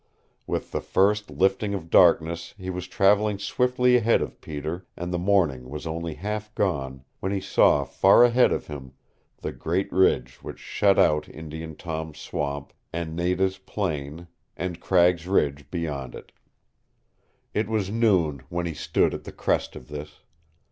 With the first lifting of darkness he was traveling swiftly ahead of Peter and the morning was only half gone when he saw far ahead of him the great ridge which shut out Indian Tom's swamp, and Nada's plain, and Cragg's Ridge beyond it. It was noon when he stood at the crest of this.